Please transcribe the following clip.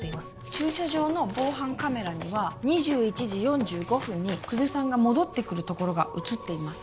駐車場の防犯カメラには２１時４５分に久世さんが戻ってくるところが写っています